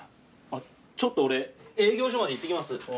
ちょっと俺営業所まで行ってきます。